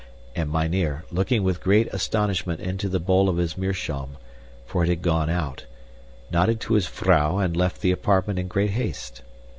And mynheer, looking with great astonishment into the bowl of his meerschaum, for it had gone out, nodded to his vrouw and left the apartment in great haste.